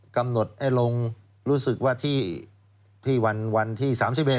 กำหนดให้ลงรู้สึกว่าที่วันที่๓๑